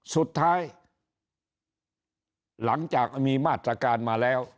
สุดท้ายหลังจากมีมาตรการมาแล้ว